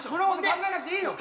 考えなくていいの。